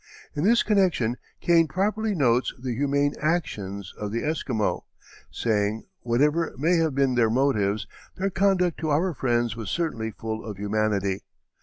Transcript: In this connection Kane properly notes the humane actions of the Esquimaux, saying: "Whatever may have been their motives, their conduct to our friends was certainly full of humanity.